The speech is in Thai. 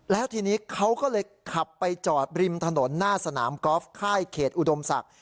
แล้วทีนี้เขาก็เลยขับไปจอดริมถนนหน้าสนามกอล์ฟค่ายเขตอุดมศักดิ์